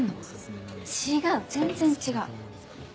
違う全然違う。